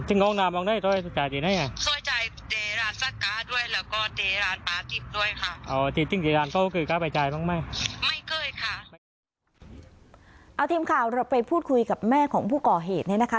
เอาทีมข่าวเราไปพูดคุยกับแม่ของผู้ก่อเหตุเนี่ยนะคะ